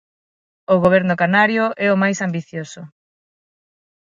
O Goberno canario é o máis ambicioso.